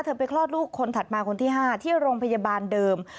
ไปคลอดลูกคนถัดมาคนที่๕ที่โรงพยาบาลเดิม